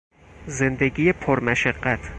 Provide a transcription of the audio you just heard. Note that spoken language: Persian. زندگی پرمشقت